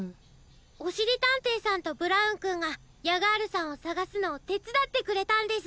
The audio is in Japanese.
おしりたんていさんとブラウンくんがヤガールさんをさがすのをてつだってくれたんです。